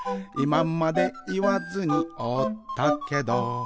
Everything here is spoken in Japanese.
「いままでいわずにおったけど」